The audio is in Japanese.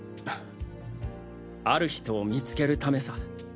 ある人を見つけるためさ。